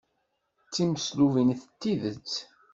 D timeslubin s tidet.